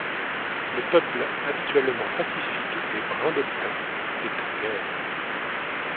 Le peuple habituellement pacifique des brins-de-lutins est en guerre.